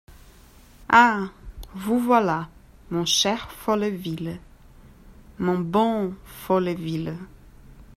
Ah ! vous voilà ! mon cher Folleville !… mon bon Folleville !